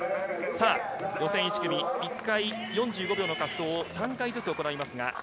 予選１組、１回４５秒の滑走を３回ずつ行います。